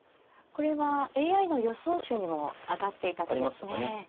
これはＡＩの予想手にも挙がっていた手ですね。